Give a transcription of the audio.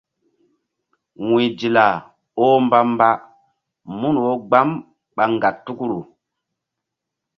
Wu̧y Dila oh mbamba mun wo gbam ɓa ŋgatukru.